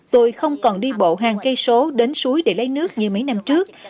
tôi không còn đi bộ hàng cây số đến suối để lấy nước như mấy năm trước